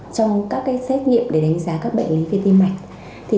trong các xét nghiệm để đánh giá các bệnh lý về tim mạch